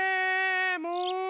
もう！